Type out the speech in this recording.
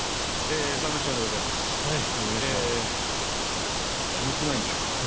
え寒くないんでしょうか？